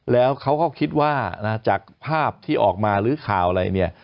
แล้วเขาก็คิดว่านะจากภาพที่ออกมาหรือข่าวอะไรเนี่ย